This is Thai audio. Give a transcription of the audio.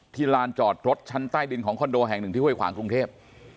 ลานจอดรถชั้นใต้ดินของคอนโดแห่งหนึ่งที่ห้วยขวางกรุงเทพ